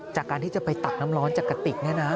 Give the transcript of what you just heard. จากการที่จะไปตักน้ำร้อนจากกะติกเนี่ยนะ